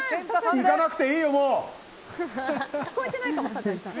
行かなくていいよ、もう！